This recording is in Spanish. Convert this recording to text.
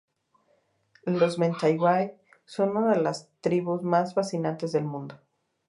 Los Mentawai son una de las tribus más fascinantes del mundo.